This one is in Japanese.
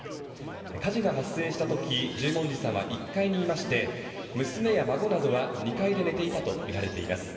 火事が発生したとき十文字さんは１階にいまして娘や孫などは２階で寝ていたとみられています。